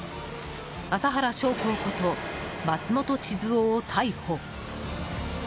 麻原彰晃こと松本智津夫を逮捕。